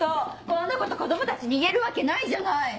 こんなこと子供たちに言えるわけないじゃない。